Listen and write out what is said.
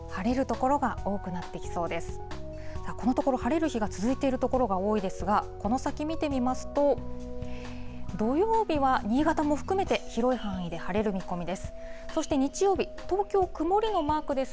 このところ、晴れる日が続いている所が多いですが、この先見てみますと、土曜日は新潟も含めて、広い範囲で晴れる見込みです。